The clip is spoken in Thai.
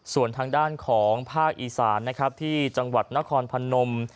ส่วนทางด้านของภาคอีสานนะครับที่จังหวัดนครพนม